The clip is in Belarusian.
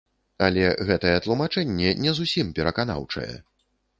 Але гэтае тлумачэнне не зусім пераканаўчае.